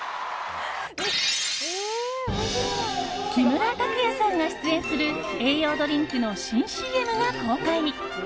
木村拓哉さんが出演する栄養ドリンクの新ＣＭが公開。